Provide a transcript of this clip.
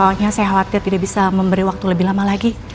awalnya saya khawatir tidak bisa memberi waktu lebih lama lagi